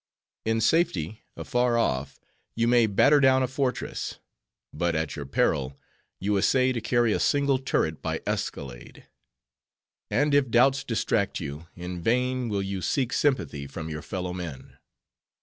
In safety, afar off, you may batter down a fortress; but at your peril you essay to carry a single turret by escalade. And if doubts distract you, in vain will you seek sympathy from your fellow men.